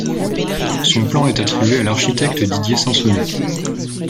Son plan est attribué à l'architecte Didier Sansonnet.